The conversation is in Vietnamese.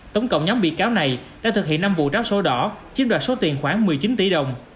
tổng cộng nhóm bị cáo này đã thực hiện năm vụ tráo số đỏ chiếm đoạt số tiền khoảng một mươi chín tỷ đồng